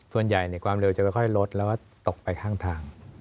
ส่วนใหญ่ความเร็วจะค่อยลดแล้วก็ตกไปข้างทาง